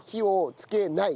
つけない。